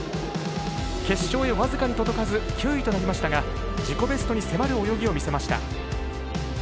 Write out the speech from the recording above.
決勝へ僅かに届かず９位となりましたが自己ベストに迫る泳ぎを見せました。